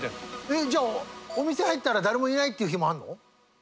えっじゃあお店入ったら誰もいないっていう日もあるの？